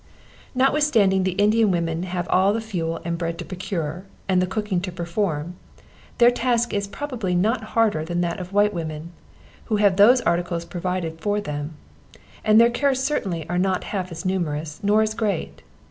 Notwithstanding the Indian women have all the fuel and bread to procure, and the cooking to perform, their task is probably not harder than that of white women, who have those articles provided for them; and their cares certainly are not half as numerous, nor as great.